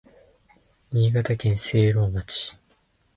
新潟県聖籠町